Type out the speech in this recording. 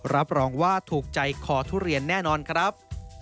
รับรองว่าถูกใจคอทุเรียนแน่นอนครับ